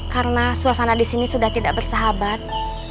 karena suasana disini sudah tidak bersahabat